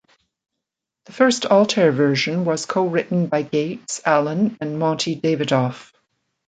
The first Altair version was co-written by Gates, Allen, and Monte Davidoff.